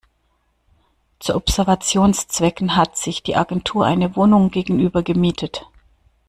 Zu Observationszwecken hat sich die Agentur eine Wohnung gegenüber gemietet.